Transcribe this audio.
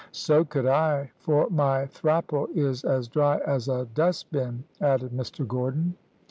"`So could I, for my thrapple is as dry as a dustbin,' added Mr Gordon.